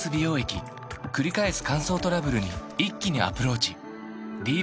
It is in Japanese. くり返す乾燥トラブルに一気にアプローチ